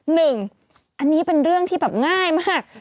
หนึ่งอันนี้เป็นเรื่องที่แบบง่ายมาก